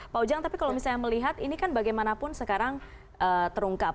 pak ujang tapi kalau misalnya melihat ini kan bagaimanapun sekarang terungkap